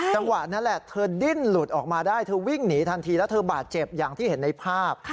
จังหวะนั้นแหละเธอดิ้นหลุดออกมาได้เธอวิ่งหนีทันทีแล้วเธอบาดเจ็บอย่างที่เห็นในภาพ